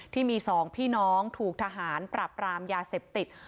ที่มี๒พี่น้องถูกทหารปรับรามยาเสพติด